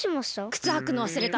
くつはくのわすれた。